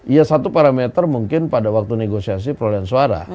iya satu parameter mungkin pada waktu negosiasi perolehan suara